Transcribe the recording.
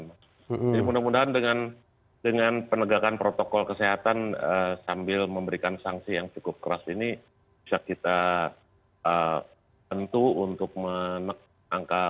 jadi mudah mudahan dengan penegakan protokol kesehatan sambil memberikan sanksi yang cukup keras ini bisa kita tentu untuk menangkap